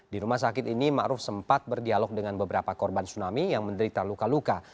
di rumah sakit ini ⁇ maruf ⁇ sempat berdialog dengan beberapa korban tsunami yang menderita luka luka